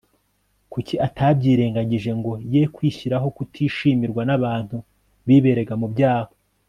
Kuki atabyirengagije ngo ye kwishyiraho kutishimirwa nabantu biberaga mu byaha